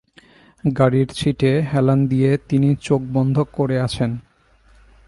গাড়ির সীটে হেলান দিয়ে তিনি চোখ বন্ধ করে আছেন।